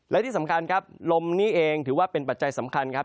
และที่สำคัญครับลมนี้เองถือว่าเป็นปัจจัยสำคัญครับ